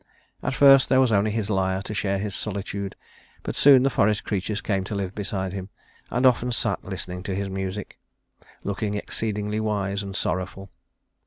At first there was only his lyre to share his solitude, but soon the forest creatures came to live beside him, and often sat listening to his music, looking exceedingly wise and sorrowful.